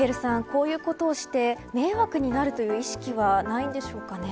こういうことをして迷惑になるという意識はないんでしょうかね。